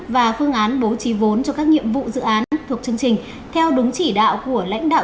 và phương án bố trí vốn cho các nhiệm vụ dự án thuộc chương trình theo đúng chỉ đạo của lãnh đạo